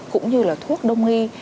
cũng như là thuốc đông y